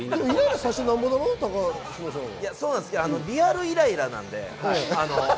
リアルイライラなんで。